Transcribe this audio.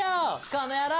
この野郎！